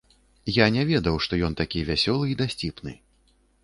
Я не ведаў, што ён такі вясёлы і дасціпны.